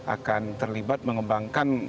akan terlibat mengembangkan